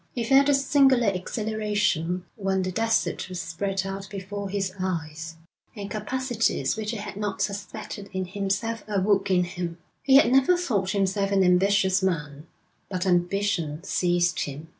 He felt a singular exhilaration when the desert was spread out before his eyes, and capacities which he had not suspected in himself awoke in him. He had never thought himself an ambitious man, but ambition seized him.